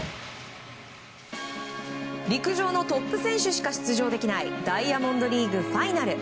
陸上のトップ選手しか出場できないダイヤモンドリーグ・ファイナル。